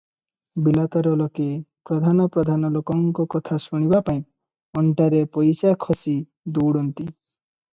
ବିଲାତର ଲୋକେ ପ୍ରଧାନ ପ୍ରଧାନ ଲୋକଙ୍କ କଥା ଶୁଣିବାପାଇଁ ଅଣ୍ଟାରେ ପଇସା ଖୋସି ଦଉଡ଼ନ୍ତି ।